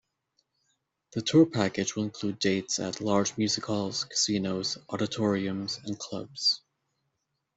The tour package will include dates at large music halls, casinos, auditoriums and clubs.